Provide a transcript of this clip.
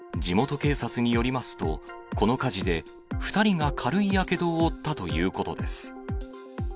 地元警察によりますと、この火事で２人が軽いやけどを負ったということです。